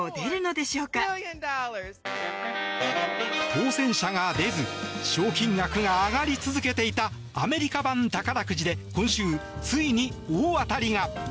当選者が出ず賞金額が上がり続けていたアメリカ版宝くじで今週、ついに大当たりが。